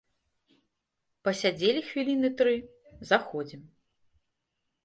Пасядзелі хвіліны тры, заходзім.